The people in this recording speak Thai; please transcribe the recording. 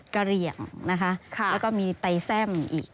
กะเรียงนะคะแล้วก็มีไต้แซ่มอีก